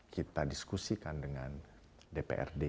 kita diskusikan dengan dprd